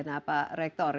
nah pak rektor